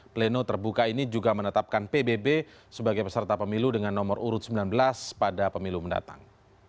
pleno terbuka ini juga menetapkan pbb sebagai peserta pemilu dengan nomor urut sembilan belas pada pemilu mendatang